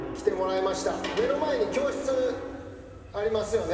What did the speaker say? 目の前に教室ありますよね？